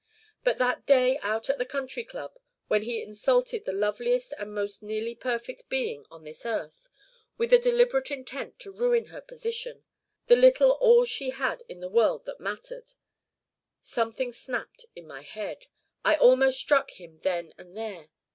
"But that day out at the Country Club when he insulted the loveliest and most nearly perfect being on this earth, with the deliberate intent to ruin her position the little all she had in the world that mattered something snapped in my head. I almost struck him then and there.